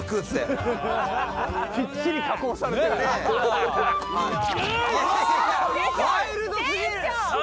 ・きっちり加工されてる・えい！